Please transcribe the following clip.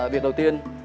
việc đầu tiên